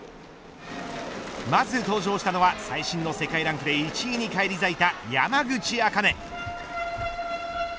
まず登場したのは最新の世界ランクで１位に返り咲いた山口茜。